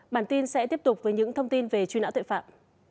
bản tin sẽ tiếp tục với những thông tin về truy nã tội phạm